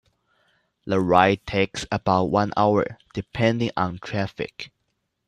The ride takes about one hour, depending on traffic.